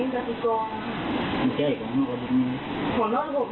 ขอขอนิทัลคับ